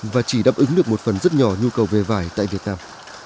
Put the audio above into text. và chỉ đáp ứng được một phần rất nhỏ nhu cầu về vải tại việt nam